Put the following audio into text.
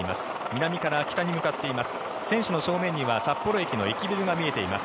南から北に向かっています。